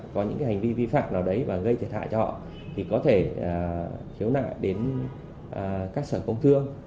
có những hành vi vi phạm nào đấy và gây thể thả cho họ thì có thể khiếu nạn đến các sở công thương